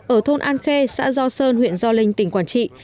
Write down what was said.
ở thôn an khê xã do sơn huyện do linh tỉnh quảng trị